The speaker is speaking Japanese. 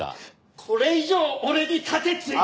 これ以上俺に盾突いたら！